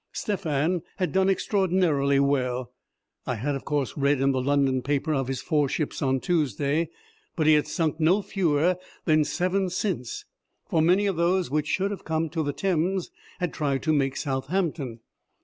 Stephan had done extraordinarily well. I had, of course, read in the London paper of his four ships on Tuesday, but he had sunk no fewer than seven since, for many of those which should have come to the Thames had tried to make Southampton.